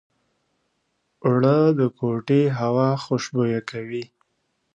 اوړه د کوټې هوا خوشبویه کوي